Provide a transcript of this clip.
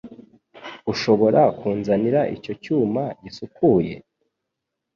Ushobora kunzanira icyuma gisukuye?